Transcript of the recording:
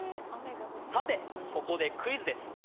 さて、ここでクイズです。